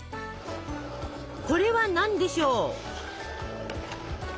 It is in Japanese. これは何でしょう？